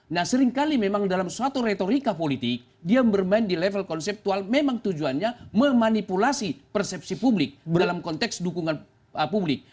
nah seringkali memang dalam suatu retorika politik dia bermain di level konseptual memang tujuannya memanipulasi persepsi publik dalam konteks dukungan publik